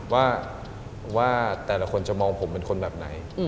ว่าแต่ละคนจะมองผมเป็นคนแบบไหน